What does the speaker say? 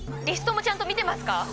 リストもちゃんと見てますか？